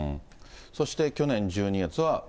そして去年１２月は。